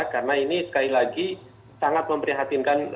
karena ini sekali lagi sangat memprihatinkan